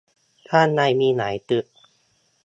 ข้างในมีหลายตึก